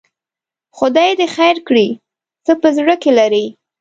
خدای دې خیر کړي، څه په زړه کې لري؟